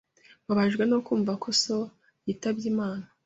Mbabajwe no kumva ko so yitabye Imana.